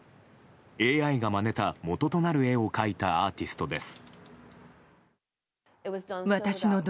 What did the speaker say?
ＡＩがまねた元となる絵を描いたアーティストです。